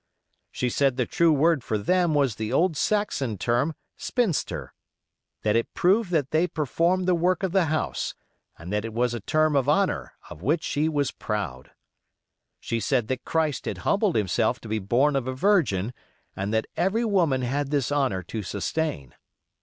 She said the true word for them was the old Saxon term "spinster"; that it proved that they performed the work of the house, and that it was a term of honor of which she was proud. She said that Christ had humbled himself to be born of a Virgin, and that every woman had this honor to sustain.